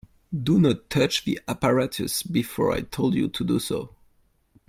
Do not touch the apparatus before I told you to do so.